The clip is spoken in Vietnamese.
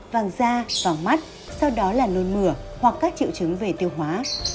vàng da vàng mắt sau đó là nôn mửa hoặc các triệu chứng về tiêu hóa